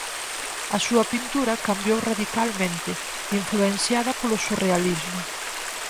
A súa pintura cambiou radicalmente, influenciada polo surrealismo.